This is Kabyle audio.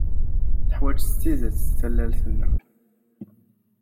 Teḥwaj s tidet tallalt-nnem.